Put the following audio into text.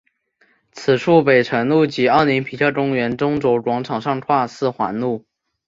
此处北辰路及奥林匹克公园中轴广场上跨四环路。